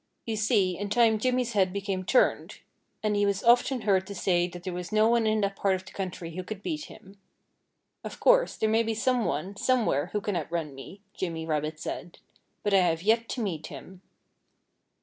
You see, in time Jimmy's head became turned. And he was often heard to say that there was no one in that part of the country who could beat him. "Of course, there may be some one, somewhere, who can outrun me," Jimmy Rabbit said. "But I have yet to meet him."